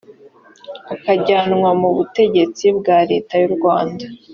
akajyanwa mu butegetsi bwa leta y’u rwanda